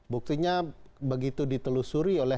buktinya begitu ditelusuri oleh